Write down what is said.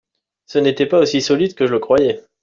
Ce n'était pas aussi solide que je le croyais.